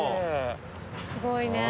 すごいねぇ。